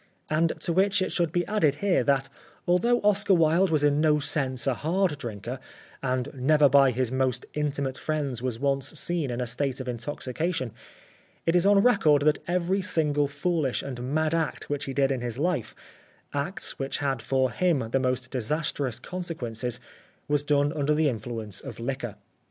As to which it should be added here that although Oscar Wilde was in no sense a hard drinker, and never by his most intimate friends was once seen in a state of intoxication, it is on record that every single foolish and mad act which he did in his life, acts which had for him the most disastrous consequences, was done under the influence of liquor.